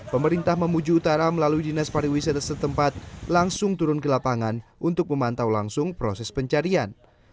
pemerintah mamuju utara melalui dinas pariwisata setempat langsung turun ke lapangan untuk memantau langsung proses pencarian